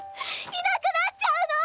いなくなっちゃうの！